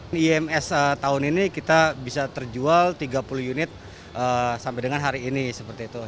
eems tahun ini kita bisa terjual tiga puluh unit sampai dengan hari ini